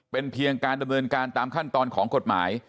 เป็นเพียงการดำเนินการตามขั้นตอนของกฎหมาย